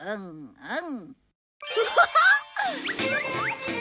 うん。